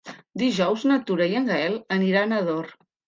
Dijous na Tura i en Gaël aniran a Ador.